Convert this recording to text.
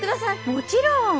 もちろん。